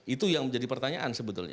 itu yang menjadi pertanyaan sebetulnya